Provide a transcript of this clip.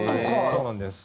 そうなんです。